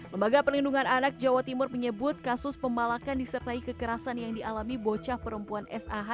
lembaga perlindungan anak jawa timur menyebut kasus pemalakan disertai kekerasan yang dialami bocah perempuan sah